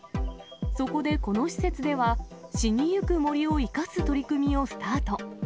そこでこの施設では、死にゆく森を生かす取り組みをスタート。